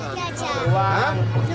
tidak ada gajah